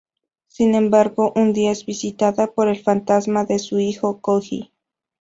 Sin embargo, un día es visitada por el fantasma de su hijo Koji.